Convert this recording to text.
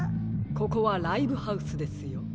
ここはライブハウスですよ。